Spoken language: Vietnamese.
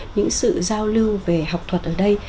những sự giao lưu về học thuật ở đây